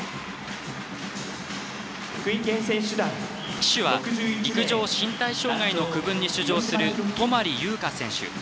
旗手は陸上・身体障害の区分に出場する泊優佳選手。